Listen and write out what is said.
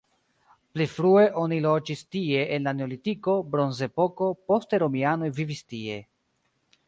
Pli frue oni loĝis tie en la neolitiko, bronzepoko, poste romianoj vivis tie.